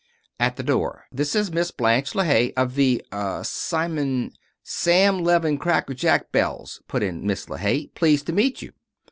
At the door "This is Miss Blanche LeHaye of the er Simon " "Sam Levin Crackerjack Belles," put in Miss LeHaye. "Pleased to meet you."